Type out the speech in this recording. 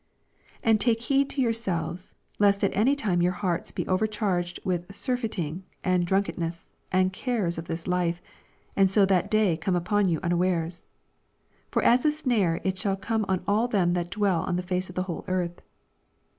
M And take heed to yourselves, lest at any time your hearts be over charged with surfeiting^ and drunk enness, and cares of this iife, and so that day come upon you unawares. 85 For as a snare shall it come on all them that dwell on the face of the whole earth.